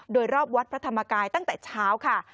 โดยรอบวัดพระธรรมกายตั้งแต่เช้าค่ะ